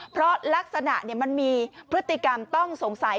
เพราะลักษณะมันมีพฤติกรรมต้องสงสัย